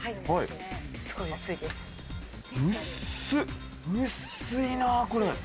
薄いな、これ。